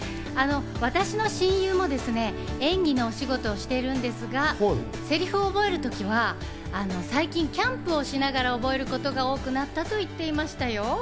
私の親友もですね、演技のお仕事をしているんですが、セリフを覚えるときは最近、キャンプをしながら覚えることが多くなったと言っていましたよ。